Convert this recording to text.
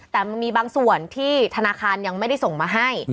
แต่มันมีบางส่วนที่ธนาคารยังไม่ได้ส่งมาให้